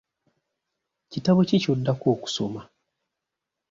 Kitabo ki ky'oddako okusoma?